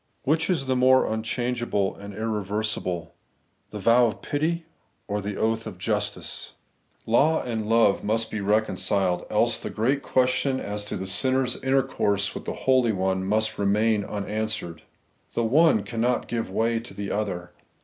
Which is the more unchangeable and irreversible, the vow of pity or the oath of justice ? 4 Tlie Everlasting Eighteousness, Law .and love must be reconciled, else the great question as to a sinner's intercourse with the Holy One must remain unanswered The one cannot give way to the other.